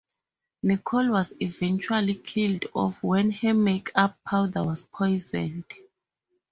Nicole was eventually killed off when her makeup powder was poisoned.